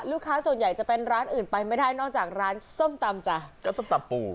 ลูกค้าส่วนใหญ่จะเป็นร้านอื่นไปไม่ได้นอกจากร้านส้มตำจ้ะก็ส้มตำปู